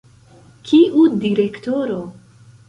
Kiu direktoro?